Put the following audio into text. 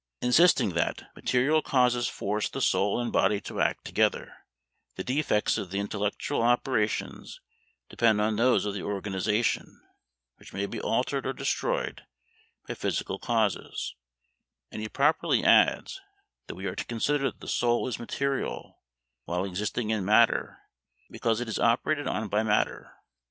Insisting that material causes force the soul and body to act together, the defects of the intellectual operations depend on those of the organisation, which may be altered or destroyed by physical causes; and he properly adds, that we are to consider that the soul is material, while existing in matter, because it is operated on by matter.